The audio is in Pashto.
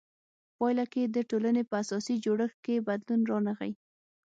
په پایله کې د ټولنې په اساسي جوړښت کې بدلون رانغی.